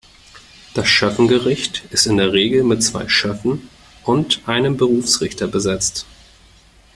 Das Schöffengericht ist in der Regel mit zwei Schöffen und einem Berufsrichter besetzt.